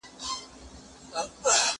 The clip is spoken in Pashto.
زه بايد نان وخورم!؟